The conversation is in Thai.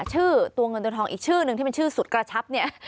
ชื่อตัวเงินตัวทองอีกชื่อนึงที่เป็นชื่อสุดกระชับเนี่ย